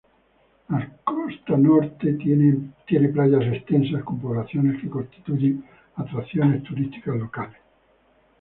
La costa norte tiene playas extensas, con poblaciones que constituyen atracciones turísticas locales.